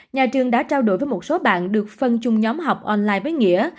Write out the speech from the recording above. nhà trường đã trao đổi với một số bạn được phân chung nhóm học online với nghĩa